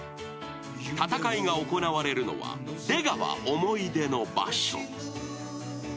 ［戦いが行われるのは出川思い出の場所］